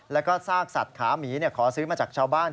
แล้วก็ซากสัตว์ขาหมีขอซื้อมาจากชาวบ้าน